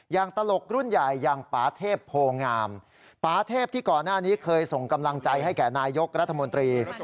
ตลกรุ่นใหญ่อย่างปาเทพโพงามปาเทพที่ก่อนหน้านี้เคยส่งกำลังใจให้แก่นายกรัฐมนตรี